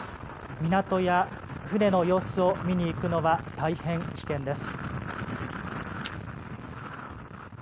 港や船の様子を見に行くのは大変危険です。